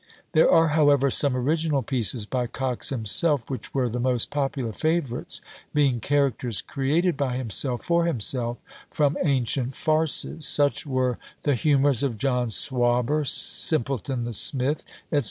There are, however, some original pieces, by Cox himself, which were the most popular favourites; being characters created by himself, for himself, from ancient farces: such were The Humours of John Swabber, Simpleton the Smith, &c.